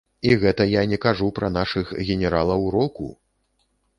І гэта я не кажу пра нашых генералаў року!